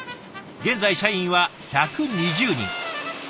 現在社員は１２０人。